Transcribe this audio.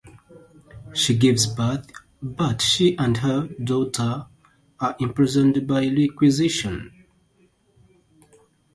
She gives birth, but she and her baby daughter are imprisoned by the Inquisition.